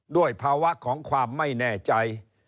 ด้วยภาวะของความไม่แน่ใจ